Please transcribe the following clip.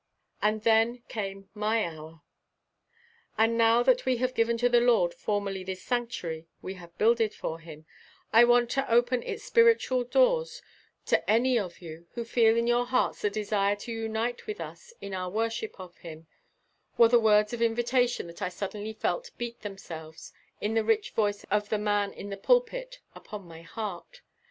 And then came my hour. "And now that we have given to the Lord formally this sanctuary we have builded for him, I want to open its spiritual doors to any of you who feel in your hearts the desire to unite with us in our worship of Him," were the words of invitation that I suddenly felt beat themselves, in the rich voice of the man in the pulpit, upon my heart.